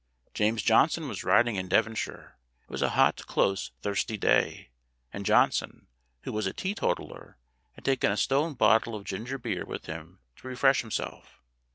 James Johnson was riding in Devonshire. It was a hot, close, thirsty day, and Johnson (who was a teetotaler) had taken a stone bottle of ginger beer with him to refresh himself.